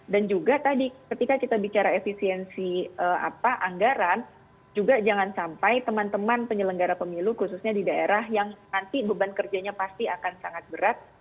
dan juga tadi ketika kita bicara efisiensi anggaran juga jangan sampai teman teman penyelenggara pemilu khususnya di daerah yang nanti beban kerjanya pasti akan sangat berat